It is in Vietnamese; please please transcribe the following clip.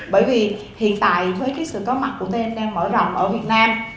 bởi vì hiện tại với cái sự có mặt của tem đang mở rộng ở việt nam